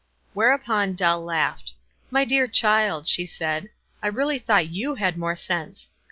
Whereupon Dell laughed. "My dear child," she said, "I really thought you had more sense."